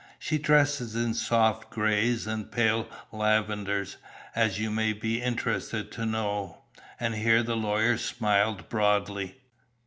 She dresses in soft grays and pale lavenders, as you may be interested to know." And here the lawyer smiled broadly.